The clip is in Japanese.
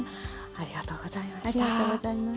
ありがとうございます。